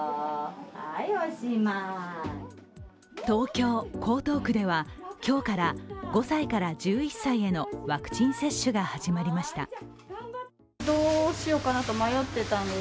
東京・江東区では、今日から５歳から１１歳へのワクチン接種が始まりました。